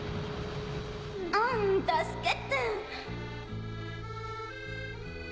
あん助けて。